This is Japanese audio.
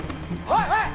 おい！